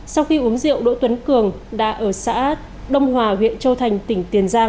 sau khi uống rượu đỗ tuấn cường đã ở xã đông hòa huyện châu thành tỉnh tiền giang